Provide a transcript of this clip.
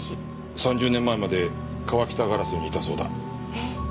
３０年前まで川喜多ガラスにいたそうだ。え！？